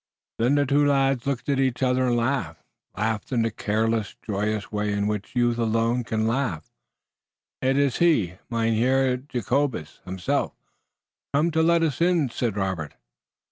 Then the two lads looked at each other and laughed, laughed in the careless, joyous way in which youth alone can laugh. "It is he, Mynheer Jacobus himself, come to let us in," said Robert.